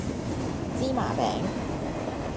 芝麻餅